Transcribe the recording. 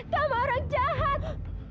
kamu orang jahat